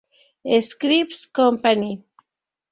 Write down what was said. Scripps Company.